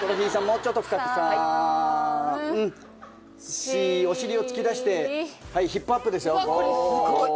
もうちょっと深くはいさん４お尻を突き出してはいヒップアップですよごうわ